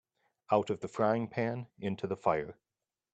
Out of the frying-pan into the fire